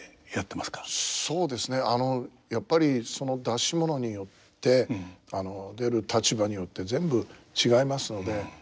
そうですねやっぱりその出し物によって出る立場によって全部違いますので。